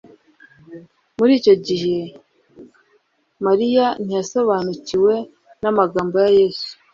Muri icyo gihe Mariya ntiyasobanukiwe n'amagambo ya Yesu,